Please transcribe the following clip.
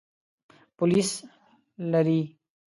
پولیس لري.